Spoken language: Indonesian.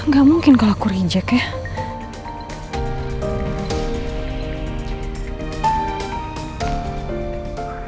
gak mungkin kalo aku reject ya